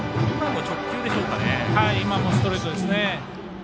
今もストレートですね。